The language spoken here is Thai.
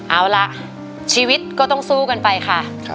เอาล่ะชีวิตก็ต้องสู้กันไปค่ะ